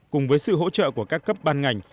cùng với sự hỗ trợ của các cấp ban ngành